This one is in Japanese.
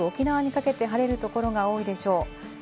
東北から九州、沖縄にかけて晴れるところが多いでしょう。